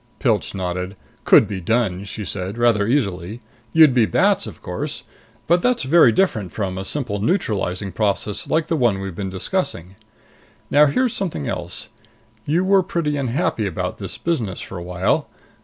Pilch nodded. "Could be done," she said. "Rather easily. You'd be bats, of course. But that's very different from a simple neutralizing process like the one we've been discussing.... Now here's something else. You were pretty unhappy about this business for a while.